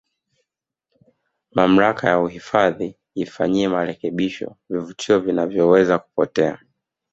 mamlaka ya uhifadhi ifanyie marekebisho vivutio vinavyoweza kupotea